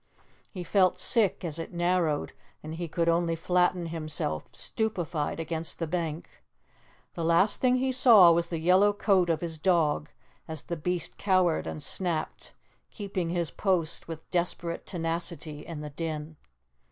He felt sick as it narrowed and he could only flatten himself, stupefied, against the bank. The last thing he saw was the yellow coat of his dog, as the beast cowered and snapped, keeping his post with desperate tenacity in the din.